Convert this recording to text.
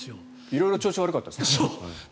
色々調子悪かったですよね。